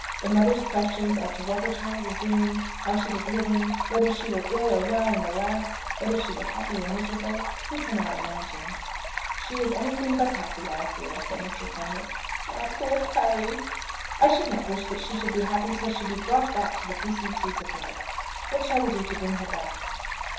The mother's questions as to what her child was doing, how she was living, whether she were ill or well, and, alas! whether she were happy or miserable, who cannot imagine? "She is anything but happy, I fear," said Mr. Fenwick. "My poor Carry!" "I should not wish that she should be happy till she be brought back to the decencies of life. What shall we do to bring her back?"